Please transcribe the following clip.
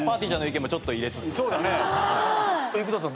生田さん